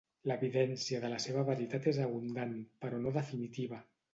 L'evidència de la seva veritat és abundant però no definitiva.